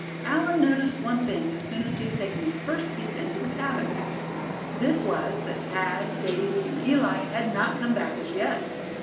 Allan noticed one thing as soon as he had taken his first peep into the cabin. This was that Thad, Davy and Eli had not come back as yet.